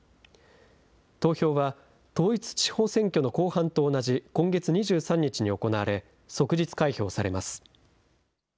投票は統一地方選挙の後半と同じ今月２３日に行われ、即日開票さ